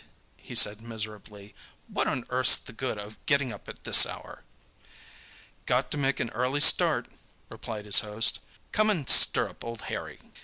he said miserably. "What on earth's the good of getting up at this hour?" "Got to make an early start," replied his host. "Come and stir up old Harry."